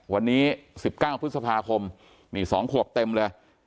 วันนี้๑๙พฤษภาคมนี่๒ขวบเต็มเลย